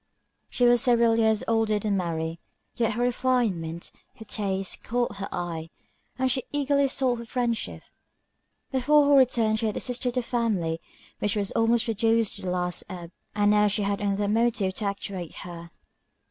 She was several years older than Mary, yet her refinement, her taste, caught her eye, and she eagerly sought her friendship: before her return she had assisted the family, which was almost reduced to the last ebb; and now she had another motive to actuate her.